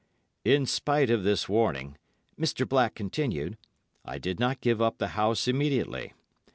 "In spite of this warning," Mr. Black continued, "I did not give up the house immediately.